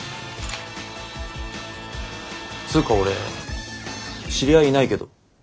つうか俺知り合いいないけど？